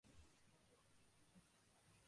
খেয়ে তো ফেলত না।